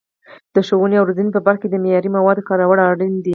د ښوونې او روزنې په برخه کې د معیاري موادو کارول اړین دي.